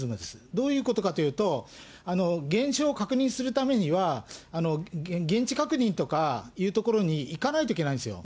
どういうことかというと、現象を確認するためには、現地確認とかいうところに行かないといけないんですよ。